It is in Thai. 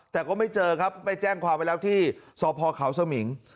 แต่ก็ไม่เจอครับไปแจ้งความไว้แล้วที่สพเขาสมิง